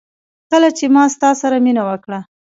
کله چي ما ستا سره مينه وکړه